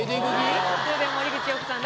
それでは森口瑤子さん